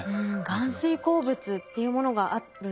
含水鉱物っていうものがあるんですね。